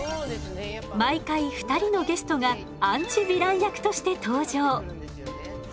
毎回２人のゲストがアンチヴィラン役として登場。